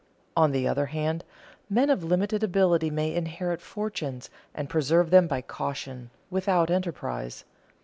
On the other hand, men of limited ability may inherit fortunes and preserve them by caution, without enterprise.